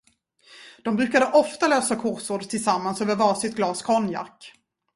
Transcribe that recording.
De brukade ofta lösa korsord tillsammans över varsitt glas konjak.